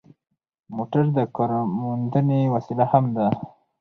موټر د کارموندنې وسیله هم ده.